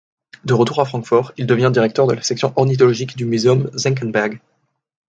De retour à Francfort, il devient directeur de la section ornithologique du Muséum Senckenberg.